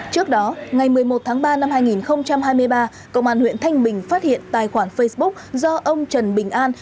trước đó ngày một mươi một tháng ba năm hai nghìn hai mươi ba công an huyện thanh bình phát hiện tài khoản facebook do ông trần bình an